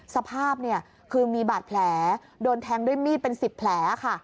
สภาพคือมีบาดแผลโดนแทงด้วยมีดเป็น๑๐แผล